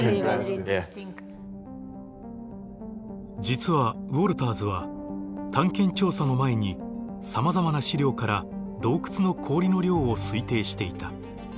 実はウォルターズは探検調査の前にさまざまな資料から洞窟の氷の量を推定していた。